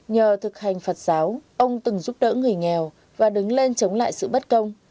nhờ thực hành phật giáo ông từng giúp đỡ người nghèo và đứng lên chống lại sự bất công